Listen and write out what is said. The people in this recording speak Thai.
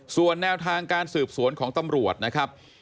ส่วนแนวทางการสืบสวนของตำรวจนะครับ